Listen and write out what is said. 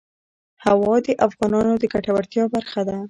هوا د افغانانو د ګټورتیا برخه ده.